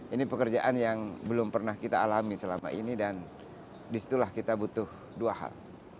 ini pekerjaan yang belum pernah kita alami selama ini dan disitulah kita butuh dua hal